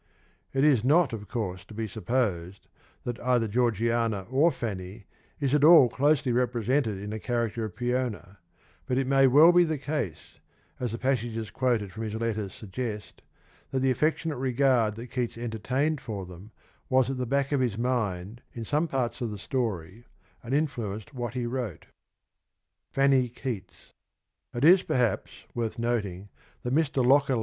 It is not of course to be supposed that either Georgiana or Fanny is at all closely represented in the character of Peona, but it may well be the case ,as the passages quoted from his letters suggest, that the affectionate regard that Keats entertained for them was at the back of his mind in some parts of the story and influenced what he wrote. It is, perhaps, worth noting that Mr. Locker Funny Keats.